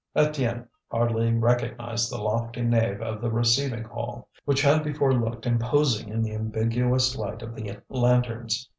Étienne hardly recognized the lofty nave of the receiving hall, which had before looked imposing in the ambiguous light of the lanterns.